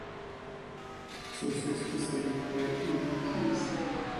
Su sexta serie fue "Hidden Hills".